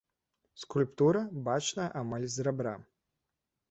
Скульптара, бачная амаль з рабра.